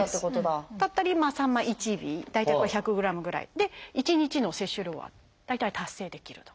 さんま１尾大体これ１００グラムぐらいで１日の摂取量は大体達成できると。